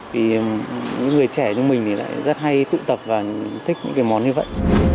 vì những người trẻ như mình thì lại rất hay tụ tập và thích những cái món như vậy